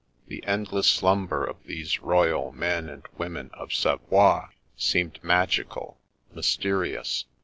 The endless slumber of these royal men and women of Savoie seemed magical, mysterious.